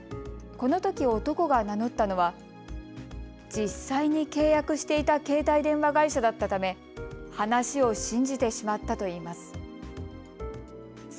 このとき男が名乗ったのは実際に契約していた携帯電話会社だったため話を信じてしまったといいます。